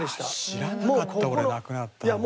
知らなかった俺なくなったの。